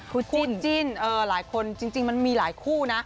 คู่จิ้นหลายคนจริงมันมีหลายคู่นะ